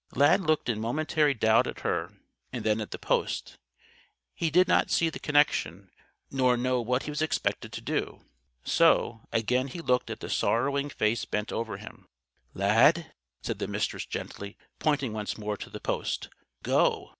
Lad looked in momentary doubt at her, and then at the post. He did not see the connection, nor know what he was expected to do. So, again he looked at the sorrowing face bent over him. "Lad!" said the Mistress gently, pointing once more to the Post. "Go!"